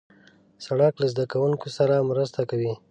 سړک له زدهکوونکو سره مرسته کوي.